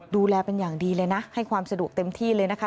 ดูแลเป็นอย่างดีเลยนะให้ความสะดวกเต็มที่เลยนะคะ